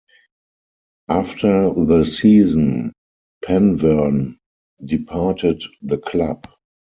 After the season, Penverne departed the club.